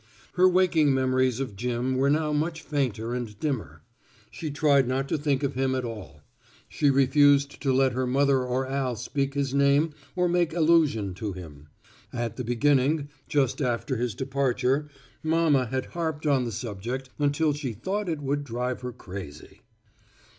Her waking memories of Jim were now much fainter and dimmer. She tried not to think of him at all. She refused to let her mother or Al speak his name or make allusion to him. At the beginning, just after his departure, mama had harped on the subject until she thought it would drive her crazy.